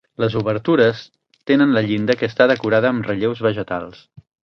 Les obertures tenen la llinda que està decorada amb relleus vegetals.